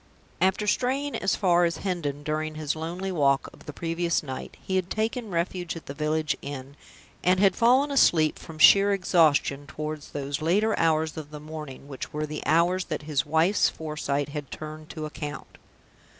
After straying as far as Hendon during his lonely walk of the previous night, he had taken refuge at the village inn, and had fallen asleep (from sheer exhaustion) toward those later hours of the morning which were the hours that his wife's foresight had turned to account.